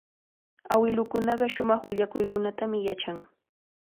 Awilukunaqa shumaq willakuykunatami yachan.